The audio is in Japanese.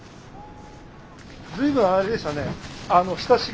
随分あれでしたね。